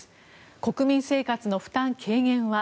国民生活の負担軽減は。